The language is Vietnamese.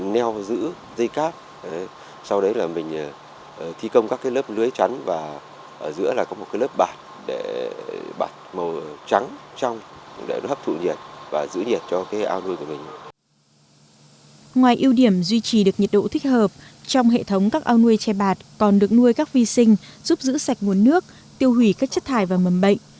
ngoài ưu điểm duy trì được nhiệt độ thích hợp trong hệ thống các ao nuôi che bạt còn được nuôi các vi sinh giúp giữ sạch nguồn nước tiêu hủy các chất thải và mầm bệnh